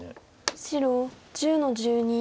白１０の十二。